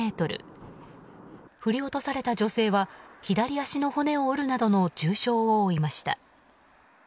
振り落とされた女性は左足の骨を折るなどの重傷を負いました。